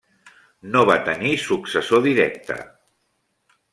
No va tenir successor directe.